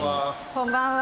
こんばんは。